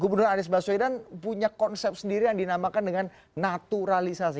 gubernur anies baswedan punya konsep sendiri yang dinamakan dengan naturalisasi